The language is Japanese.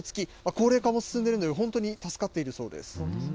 高齢化も進んでいるので本当に助かっているそうです。